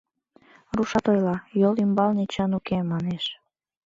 — Рушат ойла, «Йол ӱмбалне чын уке» манеш.